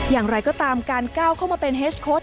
อย่างไรก็ตามการก้าวเข้ามาเป็นเฮสโค้ด